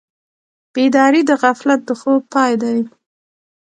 بیداري د غفلت د خوب پای دی.